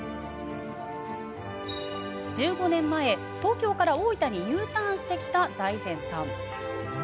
１５年前、東京から大分にＵターンしてきた財前さん。